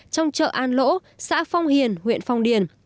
trong chợ an lỗ xã phong hiền huyện phong điền